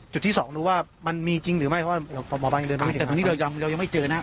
จุดที่สองรู้ว่ามันมีจริงหรือไม่เพราะว่าหมอปลายังไม่เห็นแต่ตอนนี้เรายังไม่เจอนะ